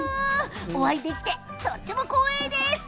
お会いできてとても光栄です。